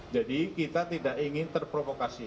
jadi kita tidak ingin terprovokasi